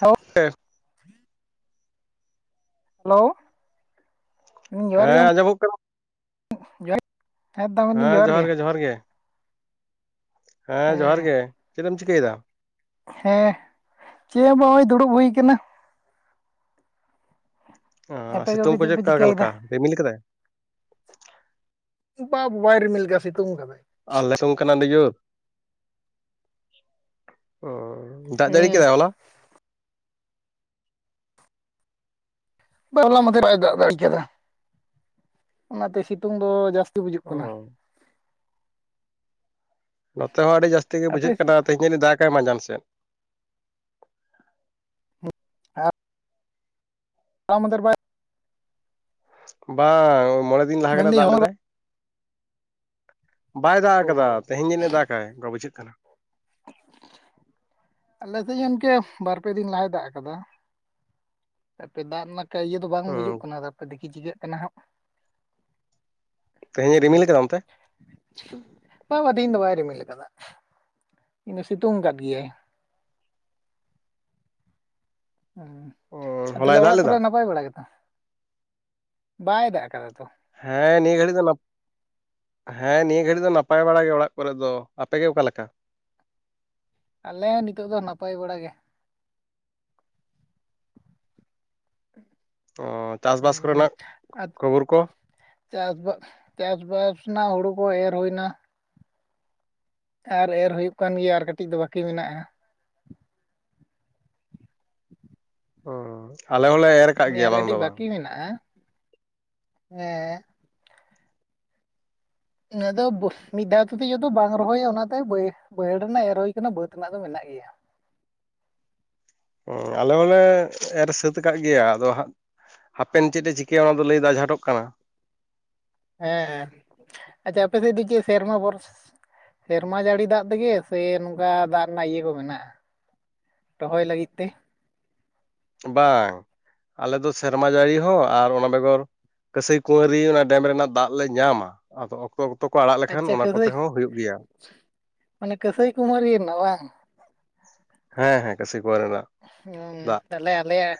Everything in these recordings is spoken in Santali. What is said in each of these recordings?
ᱦᱮᱞᱳ ᱦᱮᱞᱳᱣ ᱦᱮᱸ ᱟᱡᱚᱢᱚᱜ ᱠᱟᱱᱟ ᱡᱚᱦᱟᱨ ᱦᱮᱸᱫᱟ ᱢᱮᱱᱫᱟᱹᱧ ᱡᱚᱦᱟᱨ ᱜᱮ ᱡᱚᱦᱟᱨ ᱜᱮ ᱦᱮᱸ ᱡᱚᱦᱟᱨ ᱜᱮ ᱪᱮᱫ ᱮᱢ ᱪᱤᱠᱟᱹᱭᱮᱫᱟ? ᱦᱮᱸ ᱪᱮᱦᱚᱵᱟ ᱚᱭ ᱫᱩᱲᱩᱵ ᱦᱩᱭ ᱟᱠᱟᱱᱟ ᱚ ᱟᱯᱮ ᱥᱤᱛᱩᱝ ᱠᱚᱜᱮ ᱠᱚ ᱪᱮᱫ ᱯᱮ ᱪᱮᱫᱠᱟ ᱪᱤᱠᱟᱹᱭᱮᱫᱟ ᱟᱠᱟᱞᱮᱠᱟ ᱨᱤᱢᱤᱞ ᱠᱟᱫᱟᱭ ᱵᱟᱵᱵᱟᱭ ᱨᱤᱢᱤᱞ ᱜᱮᱣᱟ ᱥᱤᱛᱩᱝ ᱠᱟᱫᱟᱭ ᱟᱞᱮ ᱥᱧ ᱠᱟᱱᱟᱰᱤᱡᱳᱨ ᱚ ᱫᱟᱜ ᱡᱟᱲᱤ ᱦᱩᱸ ᱠᱮᱫᱟᱭ ᱦᱚᱞᱟ? ᱵᱟ ᱦᱚᱞᱟ ᱢᱟᱫᱷᱮᱨ ᱵᱟᱭ ᱫᱟᱜ ᱡᱟᱲᱤ ᱠᱮᱫᱟ ᱚᱱᱟᱛᱮ ᱥᱤᱛᱩᱝ ᱫᱚ ᱡᱟᱹᱥᱛᱤ ᱵᱩᱡᱩᱜ ᱚ ᱠᱟᱱᱟ ᱱᱚᱛᱮ ᱦᱚᱸ ᱟᱹᱰᱤ ᱡᱟᱹᱥᱛᱤ ᱜᱮ ᱟᱯᱮ ᱵᱩᱡᱷᱟᱹᱜ ᱠᱟᱱᱟ ᱛᱮᱦᱮᱧᱡᱟᱧᱤᱡ ᱫᱟᱜᱟᱭ ᱢᱟᱸᱡᱟᱱ ᱥᱮᱫ ᱞᱟ ᱢᱟᱫᱷᱮᱨ ᱵᱟᱭ ᱵᱟᱝ ᱢᱚᱨᱮ ᱫᱤᱱ ᱞᱟᱦᱟ ᱜᱟᱱᱮ ᱢᱮᱱᱫᱟᱹᱧ ᱫᱟᱜ ᱦᱚᱞᱟ ᱞᱮᱫᱟᱭ ᱵᱟᱭ ᱫᱟᱜ ᱚ ᱟᱠᱟᱫᱟ ᱛᱮᱦᱮᱧ ᱡᱟᱹᱱᱤᱡ ᱫᱟᱜᱟᱭ ᱚᱱᱠᱟ ᱵᱩᱡᱷᱟᱹᱜ ᱠᱟᱱᱟ ᱟᱞᱮᱥᱮᱫ ᱤᱱᱠᱟᱹ ᱵᱟᱨᱯᱮ ᱫᱤᱱ ᱞᱟᱦᱟᱭ ᱫᱟᱜ ᱟᱠᱟᱫᱟ ᱟᱯᱮ ᱫᱟᱜ ᱨᱮᱱᱟᱜ ᱠᱤᱭᱟᱹ ᱫᱚ ᱵᱟᱝ ᱦᱩᱸ ᱵᱩᱡᱩᱜ ᱠᱟᱱᱟ ᱛᱟᱨᱯᱮ ᱰᱮᱞᱦᱤ ᱪᱤᱠᱟᱹᱜ ᱠᱟᱱᱟ ᱦᱟᱸᱜ ᱛᱮᱦᱮᱧᱮ ᱦᱸ ᱨᱤᱢᱤᱞ ᱠᱟᱫᱟ ᱚᱱᱛᱮ ᱵᱟᱝ ᱵᱚ ᱛᱤᱦᱤᱧ ᱫᱚ ᱵᱟᱭ ᱨᱤᱢᱤᱞ ᱠᱟᱫᱟ ᱤᱱᱟᱹ ᱥᱤᱛᱩᱝ ᱠᱟᱫ ᱜᱮᱭᱟᱭ᱾ ᱦᱩᱸ, ᱚ ᱟᱨ ᱦᱚᱞᱟᱭ ᱛᱟᱦᱞᱮ ᱫᱟᱜ ᱚᱲᱟᱜ ᱞᱮᱫᱟ ᱠᱚᱨᱮ ᱱᱟᱯᱟᱭ ᱵᱟᱲᱟ ᱜᱮᱛᱚ ᱵᱟᱭ ᱫᱟᱜ ᱟᱠᱟᱫᱟ ᱛᱚ᱾ ᱦᱮᱸ ᱱᱤᱭᱟᱹ ᱜᱷᱟᱹᱲᱤᱡ ᱫᱚ ᱱᱟᱯ ᱦᱮᱸ ᱱᱤᱭᱟᱹ ᱜᱷᱟᱹᱲᱤᱡ ᱫᱚ ᱱᱟᱯᱟᱭ ᱵᱟᱲᱟ ᱜᱮ ᱚᱲᱟᱜ ᱠᱚᱨᱮᱫ ᱫᱚ, ᱟᱯᱮᱜᱮ ᱚᱠᱟᱞᱮᱠᱟ? ᱟᱞᱮ ᱱᱤᱛᱚᱜ ᱫᱚ ᱱᱟᱯᱟᱭ ᱵᱟᱲᱟ ᱜᱮ᱾ ᱚ, ᱪᱟᱥ-ᱵᱟᱥ ᱦᱩᱸ ᱠᱚᱨᱮᱱᱟᱜ ᱟᱨ ᱠᱷᱚᱵᱚᱨ ᱠᱚ? ᱪᱟᱥ ᱵᱟ ᱪᱟᱥᱵᱟᱥ ᱨᱮᱱᱟᱜ ᱦᱩᱲᱩ ᱠᱚ ᱮᱨ ᱦᱩᱭᱮᱱᱟ᱾ ᱟᱨ ᱮᱨ ᱦᱩᱭᱩᱜ ᱠᱟᱱ ᱜᱮᱭᱟ ᱟᱨ ᱠᱟᱹᱴᱤᱡ ᱫᱚ ᱵᱟᱹᱠᱤ ᱢᱮᱱᱟᱜᱼᱟ᱾ [inaudible] ᱦᱩᱸ ᱟᱞᱮᱦᱚᱞᱮ ᱮᱨ ᱠᱟᱜ ᱱᱤᱭᱟᱹ ᱜᱮᱭᱟ ᱟᱨ ᱵᱟᱝ ᱫᱚ ᱠᱟᱹᱴᱤᱡ ᱵᱟᱝ ᱵᱟᱹᱠᱤ ᱢᱮᱱᱟᱜᱼᱟ, ᱦᱮᱸ᱾ ᱤᱱᱟᱹ ᱫᱚ ᱢᱤᱫ ᱫᱷᱟᱣᱛ ᱛᱮ ᱡᱚᱛᱚ ᱵᱟᱝ ᱨᱚᱦᱚᱭᱟ ᱚᱱᱟᱛᱮ ᱵᱟᱹᱭ ᱵᱟᱹᱭᱦᱟᱹᱲ ᱨᱮᱱᱟᱜ ᱮᱨ ᱦᱩᱭ ᱠᱟᱱᱟ ᱵᱟᱹᱫᱽ ᱨᱮᱱᱟᱜ ᱫᱚ ᱢᱮᱱᱟᱜ ᱜᱮᱭᱟ᱾ ᱦᱩᱸ ᱟᱞᱮ ᱦᱚᱸᱞᱮ ᱮᱨ ᱥᱟᱹᱛ ᱠᱟᱜ ᱜᱮᱭᱟ ᱟᱫᱚ ᱦᱟᱸᱜ ᱦᱟᱯᱮᱱ ᱪᱮᱫ-ᱮ ᱪᱤᱠᱟᱹᱭᱟ ᱚᱱᱟ ᱫᱚ ᱞᱟᱹᱭ ᱫᱚ ᱟᱡᱷᱟᱴᱚᱜ ᱠᱟᱱᱟ᱾ ᱦᱮᱸ ᱦᱮᱸ ᱟᱪᱪᱷᱟ ᱟᱯᱮ ᱥᱮᱫ ᱫᱚ ᱪᱮᱫ ᱥᱮᱨᱢᱟ ᱵᱚᱨᱥ ᱥᱮᱨᱢᱟ ᱡᱟᱹᱲᱤ ᱫᱟᱜ ᱛᱮᱜᱮ ᱥᱮ ᱱᱚᱝᱠᱟ ᱫᱟᱜ ᱨᱮᱱᱟᱜ ᱤᱭᱟᱹ ᱠᱚ ᱢᱮᱱᱟᱜ-ᱟ ᱨᱚᱦᱚᱭ ᱞᱟᱹᱜᱤᱫ ᱛᱮ? ᱵᱟᱝ, ᱟᱞᱮᱚ ᱫᱚ ᱥᱮᱨᱢᱟ ᱡᱟᱹᱲᱤ ᱦᱚᱸ ᱟᱨ ᱚᱱᱟ ᱵᱮᱜᱚᱨ ᱠᱟᱹᱥᱟᱹᱭ ᱠᱩᱶᱟᱹᱨᱤ ᱚᱱᱟ ᱰᱮᱢ ᱨᱮᱱᱟᱜ ᱫᱟᱜ ᱞᱮ ᱧᱟᱢᱟ᱾ ᱟᱫᱚ ᱚᱠ ᱚᱠᱛᱚ ᱠᱚ ᱟᱲᱟᱜ ᱞᱮᱠᱷᱟᱱ ᱟᱪᱪᱷᱟ ᱚᱱᱟ ᱠᱚᱛᱮ ᱠᱟᱹᱥᱟᱹᱭ ᱦᱚᱸ ᱦᱩᱭᱩᱜ ᱜᱮᱭᱟ ᱾ ᱢᱟᱱᱮ ᱠᱟᱹᱥᱟᱹᱭ ᱠᱩᱢᱟᱨᱤ ᱨᱮᱱᱟᱜ ᱵᱟᱝ? ᱦᱮᱸ ᱦᱮᱸ ᱠᱟᱺᱥᱟᱹᱭ ᱠᱩᱶᱟᱹᱨᱤ ᱨᱮᱱᱟᱜ᱾ ᱦᱩᱸ ᱫᱟᱜ ᱛᱟᱞᱦᱮ ᱟᱞᱮᱭᱟᱜ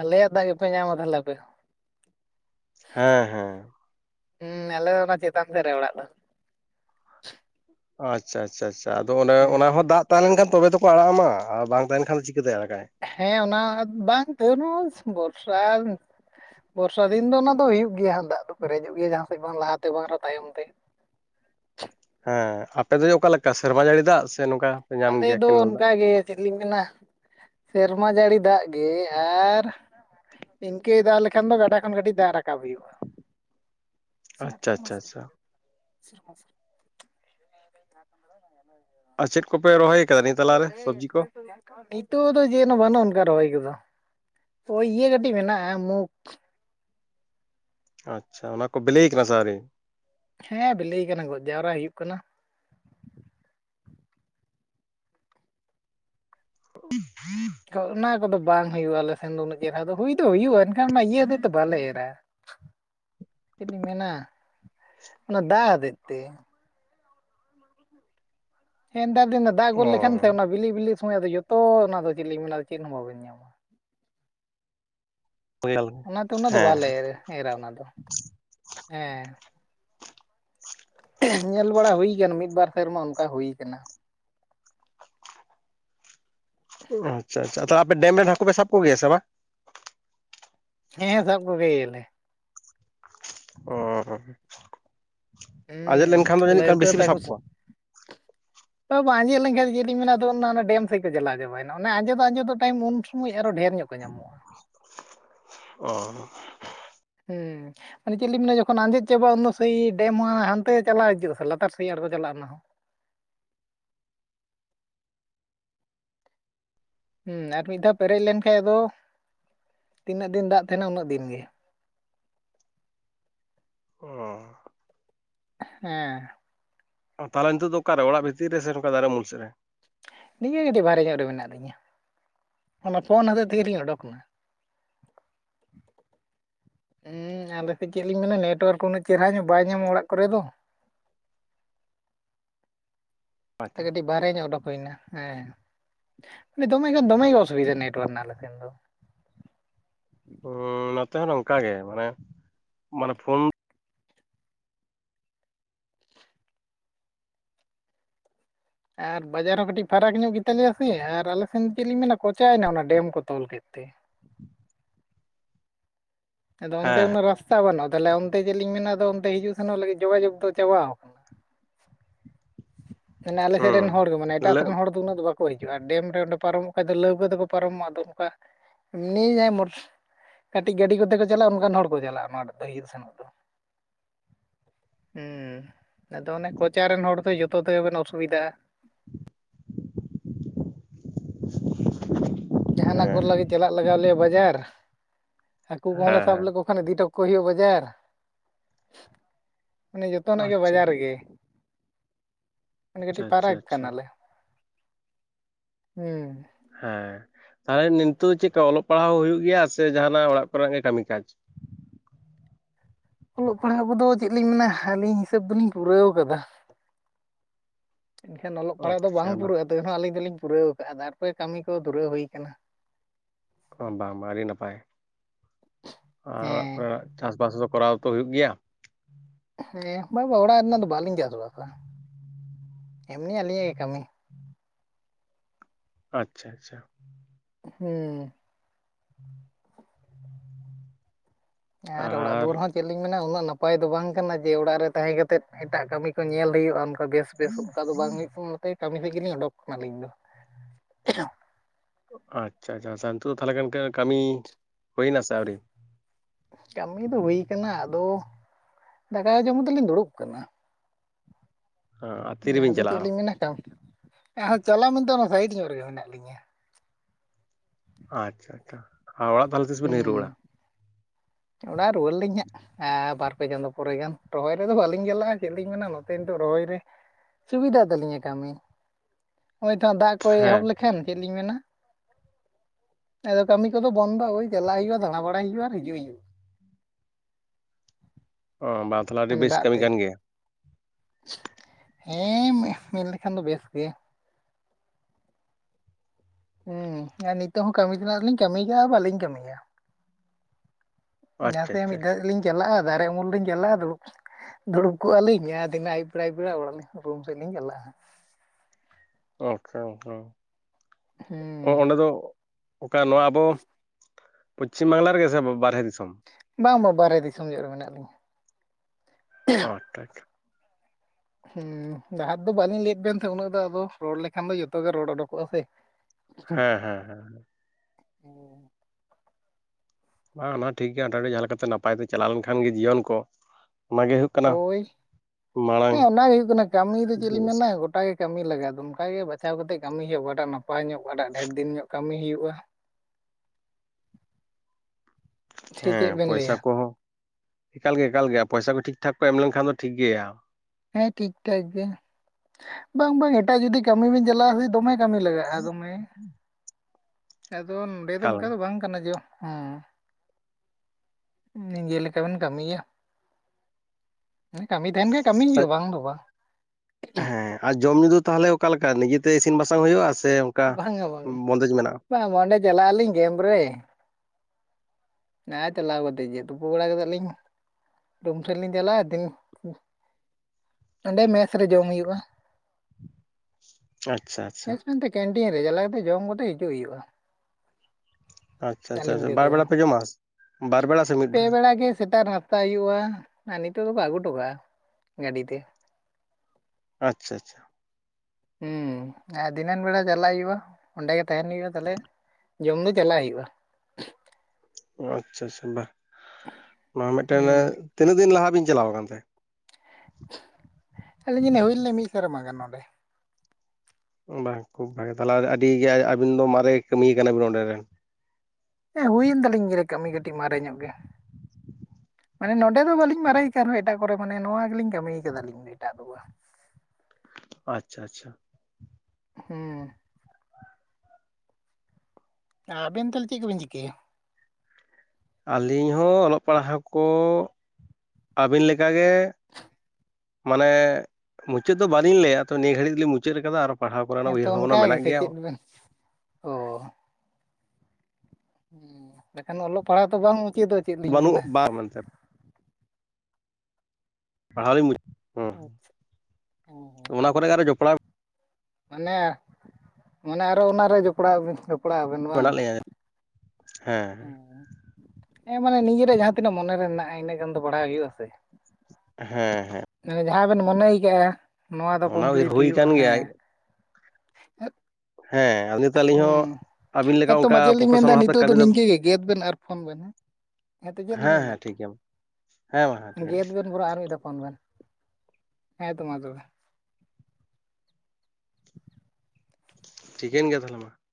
ᱟᱞᱮᱭᱟᱜ ᱫᱟᱜ ᱜᱮᱯᱮ ᱧᱟᱢᱟ ᱛᱟᱦᱞᱮ ᱟᱯᱮ ᱦᱚᱸ᱾ ᱦᱮᱸ ᱦᱮᱸ᱾ ᱦᱩᱸ ᱟᱞᱮ ᱫᱚ ᱚᱱᱟ ᱪᱮᱛᱟᱱ ᱥᱮᱫ ᱨᱮ ᱚᱲᱟᱜ ᱫᱚ᱾ ᱟᱪᱪᱷᱟ ᱟᱪᱪᱷᱟ ᱟᱪᱪᱷᱟ, ᱟᱫᱚ ᱚᱱᱮ, ᱚᱱᱟ ᱦᱚᱸ ᱦᱩᱸ ᱫᱟᱜ ᱛᱟᱦᱮᱸ ᱞᱮᱱᱠᱷᱟᱱ ᱛᱚᱵᱮ ᱛᱚᱠᱚ ᱟᱲᱟᱜ ᱟᱢᱟ ᱟᱨ ᱵᱟᱝ ᱛᱟᱸᱦᱮᱱ ᱠᱷᱟᱱ ᱫᱚ ᱪᱤᱠᱟᱹᱛᱮ ᱟᱲᱟᱜ-ᱟ ᱢᱟᱭ? ᱦᱮᱸ ᱚᱱᱟ ᱵᱟᱝ ᱛᱟᱹᱣ ᱨᱮᱦᱚᱸ ᱵᱚᱨᱥᱟ ᱵᱚᱨᱥᱟ ᱫᱤᱱ ᱫᱚ ᱚᱱᱟ ᱫᱚ ᱦᱩᱭᱩ ᱜᱮᱭᱟ, ᱫᱟᱜ ᱫᱚ ᱯᱮᱨᱮᱡᱚᱜ ᱜᱮᱭᱟ ᱡᱟᱦᱟᱸ ᱥᱮᱫ ᱵᱟᱝ ᱞᱟᱦᱟ ᱛᱮ ᱵᱟᱝ ᱛᱟᱭᱚᱢ ᱛᱮ ᱾ ᱦᱮᱸ, ᱟᱯᱮ ᱫᱚ ᱚᱠᱟᱮᱠᱟ ᱥᱮᱨᱢᱟ ᱡᱟᱹᱲᱤ ᱫᱟᱜ ᱥᱮ ᱱᱚᱝᱠᱟ ᱯᱮ ᱧᱟᱢ ᱟᱞᱮ ᱜᱮᱭᱟ ᱫᱚ ᱠᱮᱱᱮᱞ ᱫᱟᱜ ᱚᱱᱠᱟᱜᱮ ᱪᱮᱫ ᱞᱤᱧ ᱢᱮᱱᱟ ᱥᱮᱨᱢᱟ ᱡᱟᱹᱲᱤ ᱫᱟᱜ ᱜᱮ ᱟᱨ ᱤᱱᱠᱟᱹᱭ ᱫᱟᱜ ᱞᱮᱠᱷᱟᱱ ᱫᱚ ᱜᱟᱰᱟ ᱠᱷᱚᱱ ᱠᱟᱹᱴᱤᱡ ᱫᱟᱜ ᱨᱟᱠᱟᱵ ᱦᱩᱭᱩᱜᱼᱟ᱾ ᱟᱪᱪᱷᱟ ᱟᱪᱪᱷᱟ ᱟᱪᱪᱷᱟ [unintelligible] [unintelligible] ᱟᱨ ᱪᱮᱫ ᱠᱚᱯᱮ ᱨᱚᱦᱚᱭ ᱠᱟᱫᱟ ᱱᱤᱭᱟᱹ ᱛᱟᱞᱟᱨᱮ ᱥᱚᱵᱽᱡᱤ ᱠᱚ? ᱱᱤᱛᱚᱜ ᱫᱚ ᱪᱮᱫ ᱦᱚᱸ ᱵᱟᱹᱱᱩᱜ ᱚᱱᱠᱟ ᱨᱚᱦᱚᱭ ᱠᱚᱫᱚ, ᱛᱚ ᱤᱭᱟᱹ ᱠᱟᱹᱴᱤᱡ ᱢᱮᱱᱟᱜ-ᱟ ᱢᱩᱠᱷ᱾ ᱟᱪᱪᱷᱟ, ᱚᱱᱟ ᱠᱚ ᱵᱤᱞᱤᱭ ᱠᱟᱱᱟ ᱥᱮ ᱟᱹᱣᱨᱤ? ᱦᱮᱸ ᱵᱤᱞᱤ ᱠᱟᱱᱟ ᱜᱚᱡ ᱡᱟᱣᱨᱟ ᱦᱩᱭᱩᱜ ᱠᱟᱱᱟ᱾ [inaudible] ᱚᱱᱟ ᱠᱚᱫᱚ ᱵᱟᱝ ᱦᱩᱭᱩᱜᱼᱟ ᱟᱞᱮ ᱥᱮᱱ ᱫᱚ ᱩᱱᱟᱹᱜ ᱪᱮᱦᱨᱟ ᱫᱚ ᱦᱩᱭ ᱫᱚ ᱦᱩᱭᱩᱜᱼᱟ ᱮᱱᱠᱷᱟᱱ ᱚᱱᱟ ᱤᱭᱟᱹ ᱦᱚᱛᱮᱡ ᱫᱚ ᱵᱟᱞᱮ ᱮᱨᱟ᱾ [inaudible] ᱪᱮᱫ ᱞᱤᱧ ᱢᱮᱱᱟ ᱚᱱᱟ ᱫᱟᱜ ᱦᱚᱛᱮᱫ ᱛᱮ᱾ ᱦᱮᱸᱦ ᱱᱮᱛᱟᱨ ᱫᱤᱱ ᱫᱚ ᱫᱟᱜ ᱜᱚᱫ ᱚ ᱞᱮᱠᱷᱟᱱ ᱥᱮ ᱚᱱᱟ ᱵᱤᱞᱤᱜ ᱵᱤᱞᱤᱜ ᱥᱚᱢᱚᱭ ᱫᱚ ᱟᱫᱚ ᱡᱷᱚᱛᱚ ᱚᱱᱟ ᱫᱚ ᱪᱮᱫ ᱞᱤᱧ ᱢᱮᱱᱟ ᱚᱱᱟᱫᱚ ᱪᱮᱫ ᱦᱚᱸ ᱵᱟᱵᱮᱱ ᱧᱟᱢᱟ᱾ ᱚᱱᱟᱛᱮ ᱚᱱᱟ ᱫᱚ ᱦᱮᱸ ᱵᱟᱞᱮ ᱮᱨᱟ ᱮᱨᱟ ᱚᱱᱟ ᱫᱚ ᱦᱮᱸᱼᱼ ᱧᱮᱞ ᱵᱟᱲᱟ ᱦᱩᱭ ᱠᱟᱱᱟ ᱢᱤᱫ ᱵᱟᱨ ᱥᱮᱨᱢᱟ ᱚᱱᱠᱟ ᱦᱩᱭ ᱠᱟᱱᱟ᱾ ᱟᱪᱪᱷᱟ ᱟᱪᱪᱷᱟ ᱛᱟᱦᱚᱞᱮ ᱟᱯᱮ ᱰᱮᱢ ᱨᱮᱱ ᱦᱟᱹᱠᱩ ᱯᱮ ᱥᱟᱵ ᱠᱚᱜᱮᱭᱟ ᱥᱮ ᱵᱟᱝ? ᱦᱮᱸ ᱦᱮᱸ ᱥᱚᱵ ᱠᱚᱜᱮ ᱜᱮᱭᱟᱞᱮ᱾ ᱚ ᱟᱸᱡᱮᱫ ᱦᱩᱸ ᱞᱮᱱᱠᱷᱟᱱ ᱫᱚ ᱡᱟᱹᱱᱤᱡ ᱠᱷᱟᱱ ᱞᱟᱹᱣᱠᱟᱹ ᱵᱮᱥᱤ ᱯᱮ ᱥᱟᱵ ᱠᱚᱣᱟ? ᱚ ᱵᱟᱝ ᱟᱸᱡᱮᱫ ᱞᱮᱱᱠᱷᱟᱱ ᱪᱮᱫ ᱤᱧ ᱢᱮᱱᱟ ᱟᱫᱚ ᱩᱱᱫᱚ ᱚᱱᱟ ᱰᱮᱢ ᱥᱮᱫ ᱠᱚ ᱪᱟᱞᱟᱣ ᱪᱟᱵᱟᱭᱱᱟ ᱚᱱᱟ ᱟᱸᱡᱮᱫᱚᱜ ᱟᱸᱡᱮᱫᱚᱜ ᱴᱟᱭᱤᱢ ᱩᱱ ᱥᱩᱢᱟᱹᱭ ᱟᱨᱚ ᱰᱷᱮᱨ ᱧᱚᱜ ᱠᱚ ᱧᱟᱢᱚᱜᱼᱟ᱾ ᱚ᱾ ᱦᱮᱸ᱾ ᱢᱟᱱᱮ ᱪᱮᱫ ᱞᱤᱧ ᱢᱮᱱᱟ ᱡᱚᱠᱷᱚᱱ ᱟᱡᱮᱫ ᱪᱟᱟᱜᱼᱟᱱᱟᱹᱜᱭ ᱰᱮᱢ ᱦᱟᱱᱛᱮ ᱪᱟᱞᱟᱣ ᱦᱤᱡᱩᱜᱼᱟ ᱥᱮ ᱞᱟᱛᱟᱨ ᱥ ᱟ ᱪᱟᱞᱟᱜᱼᱟ ᱚᱱᱟ ᱦᱚᱸ᱾ ᱦᱸ ᱟᱨ ᱢᱤᱫ ᱫᱷᱟᱣ ᱯᱮᱨᱮᱡ ᱞᱮᱱᱠᱷᱟᱱ ᱟᱫᱚ ᱛᱤᱱᱟᱹᱜ ᱫᱤᱱ ᱫᱟᱜ ᱛᱟᱦᱮᱱᱟ ᱩᱱᱟᱹᱜ ᱫᱤᱱ ᱜᱮᱼᱼ ᱚ᱾ ᱦᱮᱸ᱾ ᱛᱟᱦᱚᱞᱮ ᱱᱤᱛᱳᱜ ᱫᱚ ᱚᱠᱟᱨᱮ ᱚᱲᱟᱜ ᱵᱷᱤᱛᱤᱨ ᱨᱮ ᱥᱮ ᱱᱚᱝᱠᱟ ᱫᱟᱨᱮ ᱩᱢᱩᱞ ᱥᱮᱫ ᱨᱮ? ᱱᱤᱭᱟᱹ ᱠᱟᱴᱤᱡ ᱵᱟᱦᱨᱮ ᱧᱚᱜ ᱨᱮ ᱢᱮᱱᱟᱜ ᱞᱤᱧᱟᱹ᱾ ᱚᱱᱟ ᱯᱷᱳᱱ ᱟᱫᱮᱨ ᱛᱮᱜᱮ ᱞᱤᱧ ᱚᱰᱳᱠ ᱮᱱᱟ ᱾ ᱦᱸ ᱟᱞᱮᱮᱥᱮᱫ ᱪᱮᱫ ᱞᱤᱧ ᱢᱮᱱᱟ ᱱᱮᱴᱚᱣᱟᱨᱠ ᱩᱱᱟᱹᱜ ᱪᱮᱦᱨᱟ ᱧᱚᱜ ᱵᱟᱭ ᱧᱟᱢᱟ ᱚᱲᱟᱜ ᱠᱚᱨᱮ ᱫᱚ ᱟᱪᱪᱷᱟ ᱠᱟᱹᱴᱤᱵ, ᱵᱟᱨᱨᱮᱮ ᱧᱚᱜ ᱚᱰᱩᱠ ᱦᱩᱭᱱᱟ ᱦᱮᱸᱮ ᱫᱚᱢᱮ ᱜᱟᱱ ᱫᱚᱢᱮ ᱜᱮ ᱚᱥᱩᱵᱤᱫᱟ ᱱᱮᱴᱣᱟᱨᱠ ᱨᱮᱱᱟᱜ ᱟᱞᱮ ᱥᱮᱱ ᱫᱚ ᱦ ᱱᱚᱛᱮ ᱦᱚᱸ ᱱᱚᱝᱠᱟ ᱜᱮᱮ ᱢᱟᱱᱮ ᱢᱟᱱᱮ ᱯᱷᱩᱱ ᱟᱨ ᱵᱟᱡᱟᱨ ᱦᱚᱸ ᱠᱟᱹᱴᱤᱡ ᱯᱷᱟᱨᱟᱠ ᱧᱚᱜ ᱜᱮᱛᱟᱞᱮᱭᱟ ᱥᱮ ᱟᱨ ᱟᱞᱮᱮᱥᱮᱱ ᱫᱚ ᱪᱮᱫ ᱞᱤᱧ ᱢᱮᱱᱟ ᱠᱚᱪᱟᱭᱱᱟ ᱚᱱᱟ ᱰᱮᱢ ᱠᱚ ᱛᱚᱞ ᱵᱮᱛᱮ [inaudible] ᱟᱫᱚ ᱚᱱᱛᱮ ᱦᱮᱸ ᱩᱱᱟᱹᱜ ᱨᱟᱥᱛᱟ ᱵᱟᱹᱱᱩᱜᱼᱟ ᱛᱟᱦᱮ ᱚᱱᱛᱮ ᱡᱮᱫ ᱞᱤᱧ ᱢᱮᱱᱟ ᱟᱫᱚ ᱚᱱᱛᱮ ᱦᱤᱡᱩᱜ ᱥᱮᱱᱚᱜ ᱞᱟᱹᱜᱤᱫ ᱡᱳᱜᱟᱡᱳᱜᱽ ᱫᱚ ᱪᱟᱵᱟᱟᱣ ᱟᱠᱟᱱᱟ ᱟᱞᱮᱨᱮ ᱦᱩᱸ ᱨᱮᱱ ᱦ ᱦᱚᱲᱩᱜ ᱞᱟᱹᱜ ᱢᱮᱴᱨᱮᱮᱱ ᱦᱚᱲ ᱩᱱᱟᱹᱜ ᱫᱚ ᱵᱟᱠᱚ ᱦᱤᱡᱩᱜᱼᱟ ᱰᱮᱢ ᱨᱮ ᱚᱸᱰᱮ ᱯᱟᱨᱚᱢᱚᱜ ᱠᱷᱡ ᱫᱚ ᱞᱟᱹᱣᱠᱟᱹ ᱛᱮᱠᱚ ᱯᱟᱨᱚᱢᱚᱜᱼᱟ ᱟᱫᱚ ᱚᱱᱠᱟ ᱱ ᱢ ᱠᱟᱹᱴᱤᱡ ᱜᱟᱹᱰᱤ ᱠᱚᱛᱮ ᱠᱚ ᱪᱟᱞᱟᱜᱼᱟ ᱚᱱᱠᱟᱱ ᱦᱚᱲ ᱠᱚ ᱪᱟᱞᱟᱜᱼᱟ ᱚᱱᱟᱴᱟᱜ ᱫᱚ ᱦᱩᱭᱩᱜ ᱥᱮᱱᱚᱜ ᱫᱚ [inaudible] ᱦᱮᱸ ᱟᱫᱚ ᱚᱱᱮ ᱠᱚᱪᱟ ᱨᱮᱱ ᱦᱚᱲ ᱫᱚ ᱡᱚᱛᱚ ᱛᱮᱜᱮ ᱵᱮᱮᱱ ᱚᱥᱩᱵᱤᱫᱟᱜᱼᱟ [inaudible] ᱡᱟᱦᱟᱱᱟᱜ ᱠᱚᱨᱮ ᱦᱮᱸ ᱞᱟᱹᱜᱤᱫ ᱪᱟᱞᱟᱜ ᱞᱟᱜᱟᱣ ᱞᱮᱭᱟ ᱵᱟᱡᱟᱨ ᱦᱟᱹᱠᱩ ᱠᱚᱦᱚᱸ ᱞᱮ ᱦᱮᱸ ᱥᱟᱵ ᱦᱮᱸ ᱞᱮᱠᱚ ᱠᱷᱚᱱ ᱤᱫᱤ ᱦᱚᱴᱚᱠᱚ ᱦᱩᱭᱩᱜᱼᱟ ᱵᱟᱡᱟᱨ ᱢᱟᱱᱮ ᱡᱚᱛᱚᱱᱟᱜ ᱜᱮ ᱟᱪᱪᱷᱟ ᱵᱟᱡᱟᱨᱜᱮ ᱢᱟᱱᱮ ᱟᱪᱪᱷᱟ ᱠᱟᱹᱴᱤᱡ ᱟᱪᱪᱷᱟ ᱯᱟᱨᱟᱠ ᱟᱪᱪᱷᱟ ᱠᱟᱱᱟᱞᱮ ᱦᱮᱸ ᱦᱮᱸ ᱛᱟᱦᱚᱞᱮ ᱱᱤᱛᱚᱜ ᱪᱮᱫᱠᱟ ᱚᱞᱚᱜ ᱯᱟᱲᱦᱟᱣ ᱦᱩᱭᱩᱜ ᱜᱮᱭᱟ ᱥᱮ ᱡᱟᱦᱟᱱᱟᱜ ᱚᱲᱟᱜ ᱠᱚᱨᱮᱱᱟᱜ ᱜᱮ ᱠᱟᱹᱢᱤ ᱠᱟᱡ ᱚᱞᱚᱜ ᱯᱟᱲᱦᱟᱜ ᱠᱚᱫᱚ ᱪᱮᱫ ᱞᱤᱧ ᱢᱮᱱᱟ ᱟᱹᱞᱤᱧ ᱦᱤᱥᱟᱹᱵ ᱫᱚᱞᱤᱧ ᱯᱩᱨᱟᱹᱣ ᱠᱟᱫᱟ ᱮᱱᱠᱷᱟᱱ ᱚᱞᱚᱜ ᱯᱟᱲᱦᱟᱜ ᱫᱚ ᱵᱟᱝ ᱯᱩᱨᱟᱹᱜᱼᱟ ᱛᱚᱵᱮ ᱟᱹᱞᱤᱧ ᱫᱚᱞᱤᱧ ᱯᱩᱨᱟᱹᱣ ᱟᱠᱟᱟᱜᱼᱟ ᱛᱟᱨᱯᱚᱨᱮ ᱠᱟᱹᱢᱤ ᱠᱚ ᱫᱷᱩᱨᱟᱹᱣ ᱦᱩᱭ ᱟᱠᱟᱱᱟ ᱵᱟᱝ ᱵᱟᱝ ᱟᱹᱰᱤ ᱱᱟᱯᱟᱭ ᱟᱨ ᱚᱲᱟᱜ ᱦᱮᱸ ᱠᱚᱨᱮᱱᱟᱜ ᱪᱟᱥᱵᱟᱥ ᱫᱚ ᱠᱚᱨᱟᱣ ᱛ ᱦᱩᱭᱩᱜ ᱜᱮᱭᱟ ᱦᱮᱸ ᱵᱟᱝᱵᱟ ᱚᱲᱟᱜ ᱨᱮᱱᱟᱜ ᱫᱚ ᱵᱟᱞᱤᱧ ᱪᱟᱥ ᱵᱟ ᱠᱚᱣᱟ ᱮᱢᱱᱤ ᱟᱹᱞᱤᱧᱟᱜ ᱜᱮ ᱠᱟᱹᱢᱤ ᱟᱪᱪᱷᱟ ᱟᱪᱪᱷᱟ ᱦᱮᱸ [inaudible] ᱟᱨ ᱚᱲᱟᱜ ᱫᱩᱣᱟᱹᱨ ᱦᱚᱸ ᱪᱮᱫ ᱞᱤᱧ ᱢᱮᱱᱟ ᱩᱱᱟᱹᱜ ᱱᱟᱯᱟᱭ ᱫᱚ ᱵᱟᱝ ᱠᱟᱱᱟ ᱡᱮ ᱚᱲᱟᱜ ᱨᱮ ᱛᱟᱦᱮᱸ ᱠᱟᱛᱮᱫ ᱮᱴᱟᱜ ᱠᱟᱹᱢᱤ ᱠᱚ ᱧᱮᱞ ᱦᱩᱭᱩᱜᱼᱟ ᱚᱱᱠᱟ ᱵᱮᱥ ᱵᱮᱥ ᱚᱱᱠᱟ ᱫᱚ ᱵᱟᱝ ᱦᱩᱭᱩᱜ ᱚᱱᱟᱛᱮ ᱠᱟᱹᱢᱤ ᱥᱮᱫ ᱜᱮᱞᱤᱧ ᱚᱰᱚᱠ ᱠᱟᱱᱟᱞᱤᱧ ᱫᱚ ᱟᱪᱪᱷᱟ ᱟᱪᱪᱷᱟ ᱟ ᱱᱤᱛ ᱫᱚ ᱛᱟᱦᱚᱞᱮ ᱠᱷᱟᱱ ᱠᱟᱹᱢᱤ ᱦᱩᱭᱱᱟ ᱥᱮ ᱟᱹᱣᱨᱤ ᱠᱟᱹᱢᱤ ᱫᱚ ᱦᱩᱭ ᱟᱠᱟᱱᱟ ᱟᱫᱚ ᱫᱟᱠᱟ ᱡᱚᱢ ᱛᱮᱞᱤᱧ ᱫᱩᱲᱩᱵ ᱟᱠᱟᱱᱟ ᱟᱨ [inaudible] ᱛᱤᱨᱮᱵᱤᱱ ᱪᱟᱞᱟᱜᱼᱟ ᱟᱨᱚ? ᱮᱸ ᱪᱟᱞᱟ ᱢᱮᱱᱫᱚ ᱚᱱᱟ ᱥᱟᱭᱤᱰ ᱧᱚᱜ ᱨᱮᱜᱮ ᱢᱮᱱᱟᱜ ᱞᱤᱧᱟᱹ ᱟᱪᱪᱷᱟ ᱟᱪᱪᱷᱟ ᱚᱲᱟᱜ ᱛᱟᱦᱚᱞᱮ ᱛᱤᱥ ᱵᱮᱱ ᱦᱮᱡ ᱦᱩᱸ ᱨᱩᱣᱟᱹᱲᱟ ᱚᱲᱟᱜ ᱨᱩᱣᱟᱹᱲᱞᱤᱧ ᱦᱟᱸᱜ ᱟᱨ ᱵᱟᱨ ᱯᱮ ᱪᱟᱸᱫᱚᱳ ᱯᱚᱨᱮ ᱜᱟᱱ ᱨᱚᱦᱚᱭ ᱨᱮᱫᱚ ᱵᱟᱹᱞᱤᱧ ᱧᱟᱞᱟᱜᱼᱟ ᱪᱮᱫ ᱞᱤᱧ ᱢᱮᱱᱟ ᱱᱚᱛᱮ ᱱᱤᱛᱚᱜ ᱨᱚᱦᱚᱭ ᱨᱮ ᱥᱩᱵᱤᱫᱟ ᱛᱟᱞᱞᱤᱧᱟ ᱠᱟᱹᱢᱤ ᱱᱚᱜᱼᱚᱭ ᱛᱚ ᱫᱟᱜ ᱠᱚᱭ ᱮᱦᱚᱵ ᱦᱮᱸ ᱞᱮᱠᱷᱟᱱ ᱪᱮᱫ ᱞᱤᱧ ᱢᱮᱱᱟ ᱟᱫᱚ ᱠᱟᱹᱢᱤ ᱠᱚᱫᱚ ᱵᱚᱱᱫᱚ ᱳᱭ ᱪᱟᱞᱟᱜ ᱦᱩᱭᱩᱜᱼᱟ ᱫᱟᱲᱟᱭ ᱦᱩᱭᱩᱜᱼᱟ ᱟᱨ ᱦᱤᱡᱩᱜ ᱦᱩᱭᱩᱜᱼᱟ ᱚ ᱵᱟᱝ ᱛᱟᱦᱚᱲᱮ ᱟᱹᱰᱤ ᱢᱟᱱᱮ ᱵᱮᱥ ᱫᱟᱜ ᱠᱟᱹᱢᱤ ᱛᱮ ᱠᱟᱱ ᱜᱮᱭᱟ ᱦᱮᱸ ᱢᱮᱱ ᱞᱮᱠᱷᱟᱱ ᱫᱚ ᱵᱮᱥ ᱜᱮ ᱦᱩᱸ ᱟᱨ ᱱᱤᱛᱚᱜ ᱦᱚᱸ ᱠᱟᱹᱢᱤ ᱛᱮᱱᱟᱜ ᱨᱮᱞᱤᱧ ᱠᱟᱹᱢᱤᱤᱭ ᱜᱮ ᱵᱟᱞᱤᱧ ᱠᱟᱹᱢᱤᱭᱟ ᱟᱪᱪᱷᱟ ᱚᱱᱟᱛᱮ ᱟᱪᱪᱷᱟ ᱢᱤᱫ ᱟᱪᱪᱷᱟ ᱫᱷᱟᱣ ᱞᱤᱧ ᱪᱟᱞᱟᱜᱼᱟ ᱫᱟᱨᱮ ᱩᱢᱩᱞ ᱞᱤᱧ ᱪᱟᱞᱟᱜᱼᱟ ᱟᱫᱚ ᱫᱩᱲᱩᱵ ᱠᱚᱜᱼᱟ ᱞᱞᱤᱧ ᱡᱟᱦᱟᱸ ᱛᱤᱱᱟᱹ ᱟᱭᱩᱵ ᱵᱮᱲᱟᱭ ᱵᱮᱲᱟ ᱚᱲᱟᱜᱧ ᱨᱩᱢ ᱥᱮᱫ ᱞᱤᱧ ᱪᱟᱞᱟᱜᱼᱟ [unintelligible] ᱦᱮᱸ ᱚᱸᱰᱮ ᱫᱚ ᱚᱠᱟ ᱱᱚᱣᱟ ᱟᱵᱚ ᱯᱚᱪᱷᱤᱢ ᱵᱟᱝᱞᱟ ᱨᱮᱜᱮ ᱥᱮ ᱵᱟᱨᱦᱮ ᱫᱤᱥᱚᱢ ᱵᱟᱝ ᱵᱟᱝ ᱵᱟᱨᱮ ᱫᱤᱥᱚᱢ ᱧᱚᱜ ᱨᱮ ᱢᱮᱱᱟᱜ ᱞᱤᱧᱟᱹ [unintelligible] ᱦᱮᱸ ᱞᱟᱦᱟ ᱫᱚ ᱵᱟᱟᱹᱞᱤᱧ ᱞᱟᱹᱭᱮᱫ ᱵᱮᱱ ᱛᱟᱦᱮᱸᱫ ᱩᱱᱟᱹᱜ ᱫᱚ ᱟᱫᱚ ᱨᱚᱲ ᱞᱮᱠᱷᱟᱱ ᱫᱚ ᱡᱚᱛᱚ ᱜᱮ ᱨᱚᱲ ᱩᱰᱩᱠᱚᱜᱼᱟ ᱥᱮ ᱦᱮᱸ ᱦᱮᱸ ᱦᱮᱸᱮᱸ [unintelligible] ᱵᱟᱝ ᱚᱱᱟ ᱴᱷᱤᱠ ᱜᱮᱭᱟ ᱦ ᱡᱟᱦᱟᱸ ᱞᱮᱠᱟᱛᱮ ᱱᱟᱯᱟᱭ ᱛᱮ ᱪᱟᱞᱟᱣ ᱞᱮᱱᱠᱷᱟᱱ ᱜᱮ ᱡᱤᱭᱚᱱ ᱠᱚ ᱚ ᱜᱮᱮ ᱦᱩᱭᱩᱜ ᱠᱟᱱᱟ ᱳᱭ ᱢᱟᱲᱟᱝ ᱦᱮᱸ ᱚᱱᱟᱜᱮ ᱦᱩᱭᱩᱜ ᱠᱟᱱᱟ ᱠᱟᱹᱢᱤ ᱫᱚ ᱪᱮᱜ ᱞᱤᱧ ᱡᱤᱱᱤᱥ ᱢᱮᱱᱟ ᱜᱚᱴᱟ ᱠᱟᱹᱢᱤ ᱞᱟᱜᱟᱼᱟ ᱫᱚ ᱚᱱᱠᱟ ᱜᱮ ᱵᱟᱪᱷᱟᱣ ᱠᱟᱛᱮ ᱠᱟᱹᱢᱤ ᱦᱩᱭᱩᱜᱼᱟ ᱚᱠᱟᱴᱟᱜ ᱱᱟᱯᱟᱭ ᱱᱟᱯᱟᱭ ᱧᱚᱜ ᱚᱠᱟᱴᱟᱜ ᱰᱷᱮᱨ ᱫᱤᱱ ᱧᱚᱜ ᱠᱟᱹᱢᱤ ᱦᱩᱭᱩᱜᱼᱟ ᱥᱮ ᱪᱮᱫ ᱦᱮᱸ ᱵᱮᱱ ᱯᱚᱭᱥᱟ ᱞᱟᱹᱭᱟ ᱠᱚᱦᱚᱸ ᱮᱠᱟᱞ ᱜᱮ ᱮᱠᱟᱞ ᱜᱮᱭᱟ ᱯᱚᱭᱥᱟ ᱠᱚ ᱴᱷᱤᱠ ᱴᱷᱟᱠ ᱠᱚ ᱮᱢ ᱞᱮᱱᱠᱷᱟᱱ ᱫᱚ ᱴᱷᱤᱠ ᱜᱮᱭᱟ ᱦᱮᱸ ᱴᱷᱤᱠ ᱴᱷᱟᱠ ᱜᱮ ᱵᱟᱝ ᱵᱟᱝ ᱮᱴᱟᱜ ᱡᱩᱫᱤ ᱠᱟᱹᱢᱤ ᱵᱤᱱ ᱪᱟᱞᱟᱜ-ᱟ ᱥᱮ ᱫᱚᱢᱮ ᱠᱟᱹᱢᱤ ᱞᱟᱜᱟᱜᱼᱟ ᱟ ᱫᱚᱢᱮ ᱟᱫᱚ ᱱᱚᱸᱰᱮ ᱫᱚ ᱮᱠᱟᱞ ᱚᱝᱠᱟ ᱜᱮ ᱫᱚ ᱵᱟᱝ ᱠᱟᱱᱟ ᱡᱮ ᱱᱤᱡᱮ ᱞᱮᱠᱟ ᱵᱮᱱ ᱠᱟᱹᱢᱤᱭᱟ ᱠᱟᱹᱢᱤ ᱛᱟᱦᱮᱱ ᱠᱷᱟᱡ ᱠᱟᱹᱢᱤ ᱦᱩᱭᱩᱜᱼᱟ ᱵᱟᱝ ᱫᱚ ᱵᱟᱝ ᱦᱮᱸ ᱟᱨ ᱡᱚᱢ ᱧᱩ ᱫᱚ ᱛᱟᱦᱞᱮ ᱚᱠᱟᱞᱮᱠᱟ ᱱᱤᱡᱮᱛᱮ ᱤᱥᱤᱱ ᱵᱟᱥᱟᱝ ᱦᱩᱭᱩᱜᱼᱟ? ᱥᱮ ᱚᱱᱠᱟ ᱵᱟᱝ-ᱟ ᱵᱟᱝ ᱵᱚᱱᱫᱮᱡᱽ ᱢᱮᱱᱟᱜᱼᱟ ᱵᱟᱝ ᱵᱟᱝ ᱚᱸᱰᱮ ᱪᱟᱞᱟᱜ ᱟᱹᱞᱤᱧ ᱜᱮᱢ ᱨᱮ ᱱᱟ ᱪᱟᱞᱟᱣ ᱠᱟᱛᱮᱫ ᱜᱮ ᱛᱩᱯᱩ ᱵᱟᱲᱟ ᱜᱚᱫᱚᱜ-ᱟ ᱞᱤᱧ ᱨᱩᱢ ᱥᱮᱫ ᱞᱤᱧ ᱪᱟᱞᱟᱜ ᱟ ᱫᱤᱱ ᱚᱸᱰᱮ ᱢᱮᱥ ᱨᱮ ᱡᱚᱢ ᱦᱩᱭᱩᱜᱼᱟ ᱟᱪᱪᱷᱟ ᱟᱪᱪᱷᱟ ᱢᱮᱥ ᱢᱮᱱᱛᱮ ᱠᱮᱱᱴᱤᱱ ᱨᱮ ᱪᱟᱞᱟᱣ ᱠᱟᱛᱮ ᱡᱚᱢ ᱠᱟᱛᱮ ᱦᱤᱡᱩᱜ ᱦᱩᱭᱩᱜᱼᱟ ᱟᱪᱪᱷᱟ ᱟᱹᱞᱤᱧ ᱟᱪᱪᱷᱟ ᱵᱟᱨ ᱛᱮᱫᱚ ᱵᱮᱲᱟ ᱯᱮ ᱡᱚᱢᱟ ᱵᱟᱨ ᱵᱮᱲᱟ ᱥᱮ ᱢᱤᱫ ᱯᱮ ᱵᱮᱲᱟ ᱜᱮ ᱥᱮᱛᱟᱜ ᱱᱟ ᱛᱟ ᱦᱩᱭᱩᱜᱼᱟ ᱟᱨ ᱱᱤᱛᱚᱜ ᱫᱚ ᱠᱚ ᱟᱹᱜᱩ ᱴᱚ ᱠᱟᱜᱼᱟ ᱜᱟᱰᱤ ᱛᱮ ᱟᱪᱪᱷᱟ ᱟᱪᱪᱷᱟ ᱦᱩᱸ ᱟᱨ ᱫᱷᱤᱱᱟᱹᱱ ᱵᱮᱲᱟ ᱪᱟᱞᱟᱜ ᱦᱩᱭᱩᱜᱼᱟ ᱚᱸᱰᱮ ᱜᱮ ᱛᱟᱦᱮᱱ ᱦᱩᱭᱩᱜᱼᱟ ᱛᱟᱞᱦᱮ ᱡᱚᱢ ᱫᱚ ᱪᱟᱞᱟᱜ ᱦᱩᱭᱩᱜᱼᱟ ᱚ ᱟᱪᱪᱷᱟ ᱟᱪᱪᱷᱟ ᱵᱟ ᱱᱚᱣᱟ ᱢᱤᱜᱴᱮᱱ ᱦᱩᱸ ᱛᱤᱱᱟᱹᱜ ᱫᱤᱱ ᱞᱟᱦᱟ ᱵᱤᱱ ᱪᱟᱞᱟᱣ ᱠᱟᱱ ᱛᱮ? ᱟᱹᱞᱤᱧ ᱡᱟᱱᱤᱡ ᱦᱩᱭ ᱞᱮᱱᱟ ᱢᱤᱫ ᱥᱟᱨᱢᱟ‌ ᱜᱟᱱ ᱱᱚᱰᱮ ᱵᱟᱝ ᱠᱷᱩᱵ ᱵᱷᱟᱜᱮ ᱛᱟᱦᱚᱞᱮ ᱟᱹᱰᱤᱜᱮ ᱟᱹᱵᱤᱱ ᱫᱚ ᱢᱟᱨᱮ ᱠᱟᱹᱢᱤᱭᱟ ᱠᱟᱱᱟᱵᱤᱱ ᱚᱸᱰᱮ ᱨᱮᱱ ᱦᱮᱸ ᱦᱩᱭᱮᱱ ᱫᱟᱞᱤᱧ ᱜᱮᱭᱟ ᱠᱟᱹᱢᱤ ᱠᱟᱹᱴᱤᱡ ᱢᱟᱨᱮ ᱧᱚᱜ ᱜᱮ ᱢᱟᱱᱮ ᱱᱚᱰᱮ ᱫᱚ ᱵᱟᱹᱞᱤᱧ ᱢᱟᱨᱮ ᱠᱟᱱ ᱨᱮᱦᱚᱸ ᱮᱴᱟᱜ ᱠᱚᱨᱮ ᱢᱟᱱᱮ ᱱᱚᱣᱟ ᱜᱮᱞᱤᱧ ᱠᱟᱹᱢᱤ ᱟᱠᱟᱫᱟᱞᱤᱧ ᱮᱴᱟᱜ ᱫᱚ ᱵᱟᱝ ᱚ. ᱟᱪᱪᱷᱟ ᱟᱪᱪᱷᱟ ᱦᱩᱸ ᱟᱵᱤᱱ ᱛᱟᱦᱞᱮ ᱪᱮᱫ ᱠᱚᱵᱤᱱ ᱪᱤᱠᱟᱹᱭᱟ? ᱟᱹᱞᱤᱧ ᱦᱚᱸ ᱚᱞᱚᱜ ᱯᱟᱲᱦᱟᱣ ᱠᱚ ᱟᱹᱵᱤᱱ ᱞᱮᱠᱟᱜᱮ ᱢᱟᱱᱮ ᱢᱩᱪᱟᱹᱫ ᱫᱚ ᱵᱟᱹᱞᱤᱧ ᱞᱟᱹᱭᱟ ᱛᱚ ᱱᱤᱭᱟᱹ ᱜᱷᱟᱹᱲᱤᱡ ᱞᱤᱧ ᱢᱩᱪᱟᱹᱫ ᱟᱠᱟᱫᱟ ᱟᱨᱚ ᱯᱟᱲᱦᱟᱣ ᱠᱚᱨᱮᱱᱟᱜ ᱩᱭᱦᱟᱹᱨ ᱵᱷᱟᱵᱽᱱᱟ ᱢᱮᱱᱟᱜ ᱜᱮᱭᱟ ᱴᱦ ᱷᱷᱷ ᱧ ᱚ ᱦᱮᱸ ᱮᱠᱷᱟᱱ ᱚᱞᱚᱜ ᱯᱟᱲᱦᱟᱣ ᱛᱚ ᱦᱩᱭᱩᱜ ᱵᱟᱝ ᱢᱩᱪᱟᱹᱫ ᱚᱜ ᱵᱟᱹᱱᱩᱜ ᱵᱟᱝ ᱢᱮᱱᱛᱮ ᱯᱟᱲᱦᱟᱣ ᱞᱤᱧ [unintelligible] ᱦᱚᱸ ᱚᱱᱟ ᱠᱚᱨᱮ ᱜᱮ ᱟᱨᱚ ᱡᱚ ᱢᱟᱱᱮ ᱢᱟᱱᱮ ᱟᱨᱚ ᱚᱱᱟᱨᱮ ᱡᱚᱯᱲᱟᱣ ᱵᱮᱱ ᱡᱚᱯᱲᱟᱣ ᱟᱵᱮᱱ ᱵᱟᱝ? ᱢᱮᱱᱟᱜ ᱞᱤᱧᱟᱹ ᱦᱮᱸ ᱦᱮᱸ ᱢᱟᱱ ᱱᱤᱡᱮᱨᱮ ᱡᱟᱦᱟᱸ ᱛᱤᱱᱟᱹᱜ ᱢᱚᱱᱮᱨᱮ ᱢᱮᱱᱟᱜᱼᱟ ᱤᱱᱟᱹᱜ ᱜᱟᱱ ᱫᱚ ᱵᱟᱲᱦᱟᱭ ᱦᱩᱭᱩᱜ ᱟ ᱥᱮ ᱦᱮᱸ ᱦᱮᱸ ᱢᱮ ᱡᱟᱦᱟᱸ ᱵᱮᱱ ᱢᱚᱱᱮᱭ ᱟᱠᱟᱜᱼᱟ ᱱᱚᱣᱟ ᱫᱚ ᱚᱱᱟ ᱩᱭᱦᱟᱹᱨ ᱠᱚᱢᱯᱞᱤᱴ ᱦᱩᱭ ᱦᱩᱭᱩᱜᱼᱟ ᱠᱟᱱ ᱜᱮᱭᱟ ᱦᱮᱸ ᱦᱮᱸᱫ ᱦᱮᱸ ᱱᱤᱛ ᱟᱹᱞᱤᱧ ᱦᱚᱸ ᱟᱹᱵᱤᱱ ᱞᱮᱠᱟ ᱦᱮᱸᱛᱚ ᱚᱝᱠᱟ ᱢᱟᱪᱮᱫ ᱞᱤᱧ ᱢᱮᱱᱫᱟ ᱯᱨᱚᱯᱷᱮᱥᱚᱱᱟᱞ ᱦᱟᱛᱮ ᱱᱤᱛᱚᱜ ᱠᱟᱹᱢᱤ ᱫᱚ ᱱᱤᱝᱠᱟᱹ ᱜᱮ ᱜᱮᱫ ᱵᱮᱱ ᱟᱨ ᱯᱷᱳᱱ ᱵᱮᱱ ᱦᱮᱸ ᱦᱮᱸᱛᱚ ᱪᱮᱫ ᱞᱤᱧ ᱦᱮᱸ ᱢᱮᱱᱫᱟ ᱦᱮᱸ ᱴᱷᱤᱠ ᱜᱮᱭᱟ ᱢᱟ ᱦᱮᱸ ᱴᱷᱤᱠ ᱜᱮᱭᱟ ᱜᱮᱫ ᱵᱮᱱ ᱜᱷᱩᱨᱮ ᱟᱨ ᱢᱤᱫ ᱫᱷᱟᱣ ᱯᱷᱳᱱ ᱵᱮᱱ ᱦᱮᱸᱛᱚ ᱢᱟ ᱛᱚᱵᱮ ᱴᱷᱤᱠᱟᱹᱱ ᱜᱮᱭᱟ ᱛᱟᱦᱞᱮ ᱢᱟ